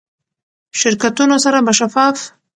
شرکتونو سره به شفاف،